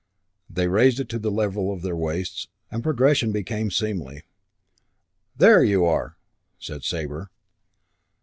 They raised it to the level of their waists, and progression became seemly. "There you are!" said Sabre.